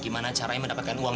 gimana caranya mendapatkan uang